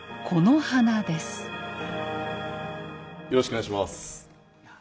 よろしくお願いします。